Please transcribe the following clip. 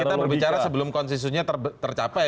kita berbicara sebelum konsensusnya tercapai